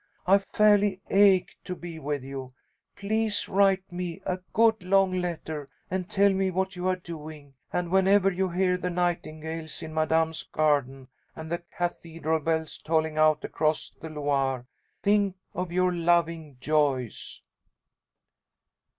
I fairly ache to be with you. Please write me a good long letter and tell me what you are doing; and whenever you hear the nightingales in Madame's garden, and the cathedral bells tolling out across the Loire, think of your loving JOYCE."